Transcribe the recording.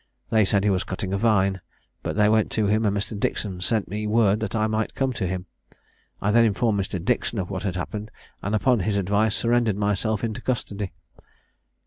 They said he was cutting a vine; but they went to him, and Mr. Dixon sent me word that I might come to him. I then informed Mr. Dixon of what had happened, and upon his advice surrendered myself into custody."